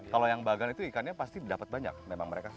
kalau yang bagan itu ikannya pasti dapat banyak memang mereka